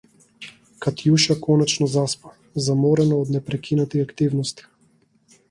Катјуша конечно заспа, заморена од непрекинати активности.